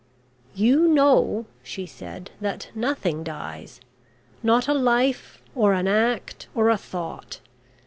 "You know," she said, "that nothing dies not a life, or an act, or a thought.